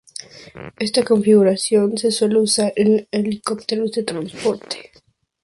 Esta configuración se suele usar en helicópteros de transporte.